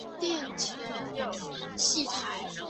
庙前有戏台。